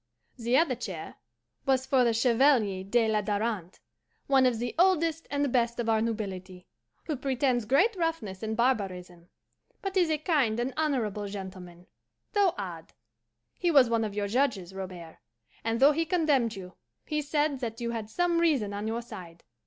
The other chair was for the Chevalier de la Darante, one of the oldest and best of our nobility, who pretends great roughness and barbarism, but is a kind and honourable gentleman, though odd. He was one of your judges, Robert; and though he condemned you, he said that you had some reason on your side.